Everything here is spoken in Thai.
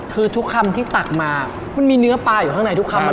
คือทุกคำที่ตักมามันมีเนื้อปลาอยู่ข้างในทุกคำเลย